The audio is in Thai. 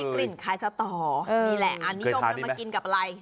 มันมีกลิ่นคล้ายสตอนี่ยแหละอันนี้ว่ากินกับอะไร